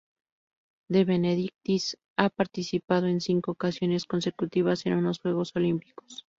De Benedictis ha participado en cinco ocasiones consecutivas en unos Juegos Olímpicos.